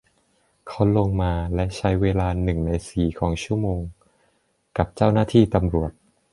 เขาลงมาและใช้เวลาหนึ่งในสี่ของชั่วโมงกับเจ้าหน้าที่ตำรวจ